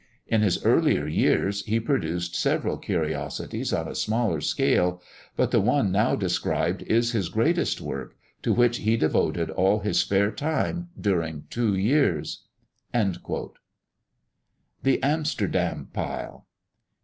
In his earlier years he produced several curiosities on a smaller scale; but the one now described is his greatest work, to which he devoted all his spare time during two years." THE AMSTERDAM PILE.